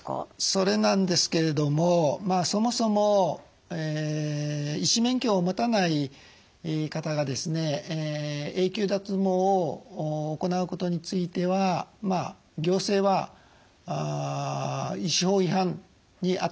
それなんですけれどもそもそも医師免許を持たない方が永久脱毛を行うことについては行政は医師法違反にあたるというふうに見なしています。